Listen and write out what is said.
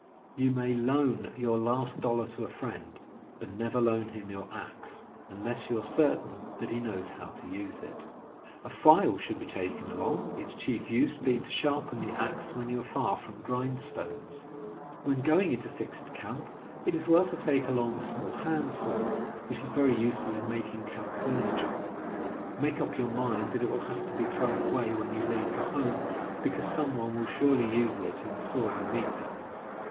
You may loan your last dollar to a friend; but never loan him your axe, unless you are certain that he knows how to use it. /^««,^ T^^i^ A file should be taken alone:, its chief Camp Tools. u •* i xi. \ use bemg to sharpen the axe when you are far from grindstones. 50 CAMPING AND WOODCRAFT When going into fixed camp it is well to take along a small hand saw, which is very useful in making camp furniture. Make up your mind that it will have to be thrown away when you leave for home, because some one will surely use it in sawing meat bones.